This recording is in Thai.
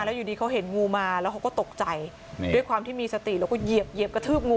แล้วอยู่ดีเขาเห็นงูมาแล้วเขาก็ตกใจด้วยความที่มีสติแล้วก็เหยียบกระทืบงู